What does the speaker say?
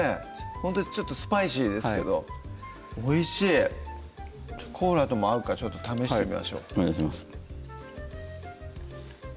ほんとにちょっとスパイシーですけどおいしいコーラとも合うかちょっと試してみましょうお願いします